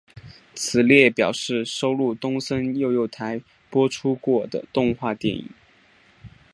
此列表示收录东森幼幼台播出过的动画电影。